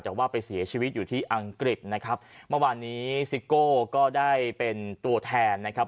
แต่ว่าไปเสียชีวิตอยู่ที่อังกฤษนะครับเมื่อวานนี้ซิโก้ก็ได้เป็นตัวแทนนะครับ